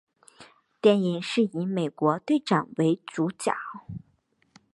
电影是以美国队长为主角。